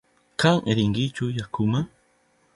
¿Kan rinkichu yakuma?